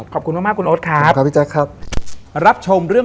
ขอบคุณมากคุณโอ๊ตครับ